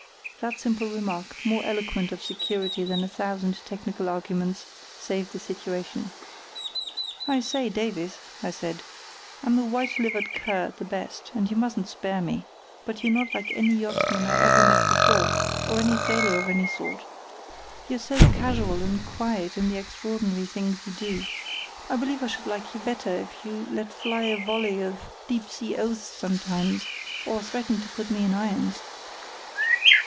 That simple remark, more eloquent of security than a thousand technical arguments, saved the situation. "I say, Davies," I said, "I'm a white livered cur at the best, and you mustn't spare me. But you're not like any yachtsman I ever met before, or any sailor of any sort. You're so casual and quiet in the extraordinary things you do. I believe I should like you better if you let fly a volley of deep sea oaths sometimes, or threatened to put me in irons."